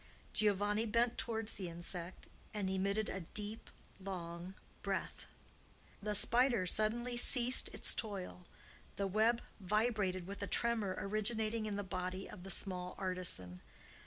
Giovanni bent towards the insect, and emitted a deep, long breath. The spider suddenly ceased its toil; the web vibrated with a tremor originating in the body of the small artisan.